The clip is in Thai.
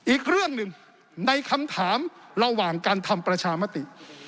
อีกเรื่องหนึ่งในคำถามระหว่างการทำประชามติ